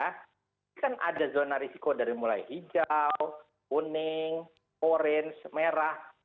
ini kan ada zona risiko dari mulai hijau kuning orange merah